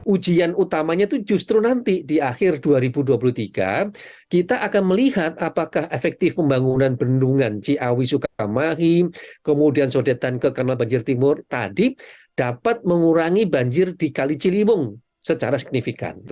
ujian utamanya itu justru nanti di akhir dua ribu dua puluh tiga kita akan melihat apakah efektif pembangunan bendungan ciawi sukaramahim kemudian sodetan ke kanal banjir timur tadi dapat mengurangi banjir di kali ciliwung secara signifikan